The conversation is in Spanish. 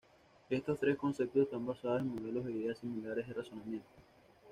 Estos tres conceptos están basados en modelos e ideas similares de razonamiento.